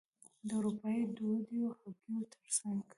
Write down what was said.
د اروپايي ډوډیو او هګیو ترڅنګ.